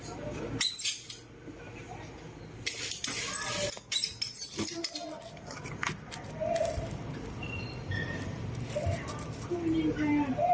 โอ้โฮ